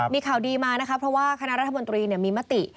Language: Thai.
มีข่าวดีมานะคะเพราะว่าคณะรัฐมนตรีมีมติ